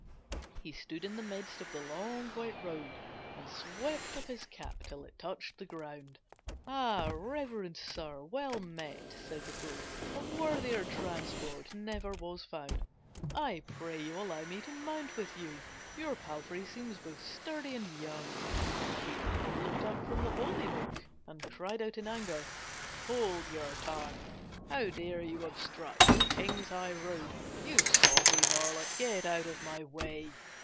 He stood in the midst of the long, white road And swept off his cap till it touched the ground. "Ah, Reverent Sir, well met," said the fool, "A worthier transport never was found. "I pray you allow me to mount with you, Your palfrey seems both sturdy and young." The abbot looked up from the holy book And cried out in anger, "Hold your tongue! "How dare you obstruct the King's highroad, You saucy varlet, get out of my way."